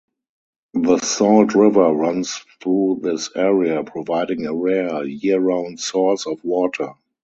The Salt River runs through this area, providing a rare, year-round source of water.